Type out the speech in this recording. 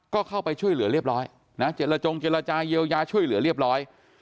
ก็เข้าไปช่วยเหลือเรียบร้อยนะเจรจงเจรจาเยียวยาช่วยเหลือเรียบร้อย